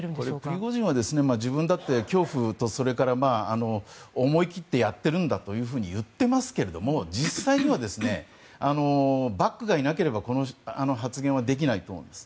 プリゴジンは自分だって恐怖とそれから思い切ってやっているんだと言っていますけども実際にはバックがいなければこの発言はできないと思うんです。